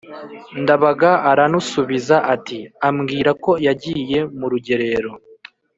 Ndabaga aranusubiza ati ambwira ko yagiye mu rugerero,